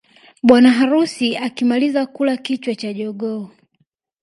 Bwana harusi akimaliza kula kichwa cha jogoo